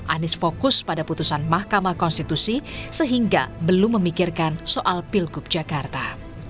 anies fokus pada putusan mahkamah konstitusi sehingga belum memikirkan soal pilkup jakarta